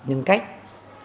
hình thành phẩm chất